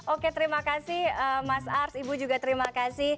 oke terima kasih mas ars ibu juga terima kasih